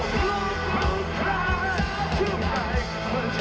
ขนเพลงขาลตอนนี้ไม่ค่อยทิ้งมากนะแล้ว